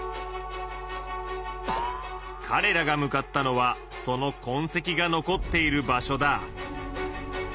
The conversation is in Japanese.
かれらが向かったのはそのこんせきが残っている場所だ。